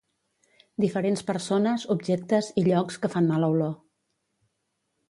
Diferents persones, objectes i llocs que fan mala olor.